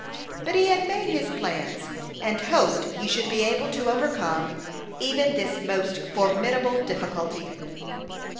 But he had made his plans, and hoped he should be able to overcome even this most formidable difficulty.